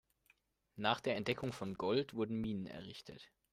Nach der Entdeckung von Gold wurden Minen errichtet.